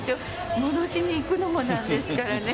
戻しに行くのもなんですからね。